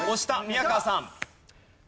宮川さん。